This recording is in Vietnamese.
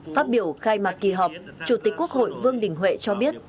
phát biểu khai mạc kỳ họp chủ tịch quốc hội vương đình huệ cho biết